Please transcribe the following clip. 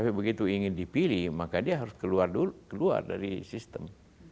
tapi begitu ingin dipilih maka dia harus keluar dari sistem